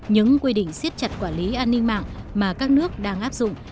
những quy định siết chặt quản lý an ninh mạng mà các nước đang áp dụng